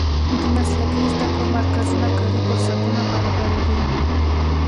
د مسلکي زده کړو مرکزونه کاري فرصتونه برابروي.